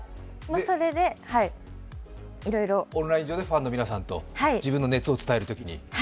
それでオンライン上でファンの皆さんと、自分の熱を伝えるときに？